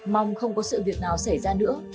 mong không có sự việc nào xảy ra nữa